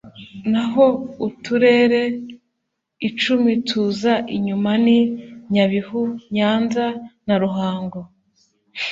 naho uturere icumi tuza inyuma ni nyabihu ,nyanza na ruhango .